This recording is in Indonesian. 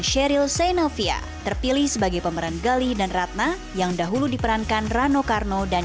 sheryl senavia terpilih sebagai pemeran gali dan ratna yang dahulu diperankan rano karno dan